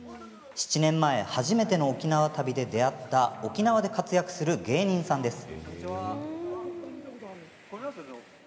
７年前初めての沖縄旅で出会った沖縄で活躍する芸人さんです。